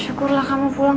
syukurlah kamu pulang